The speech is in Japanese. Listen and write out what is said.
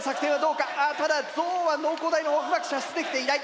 あっただゾウは農工大の方うまく射出できていない。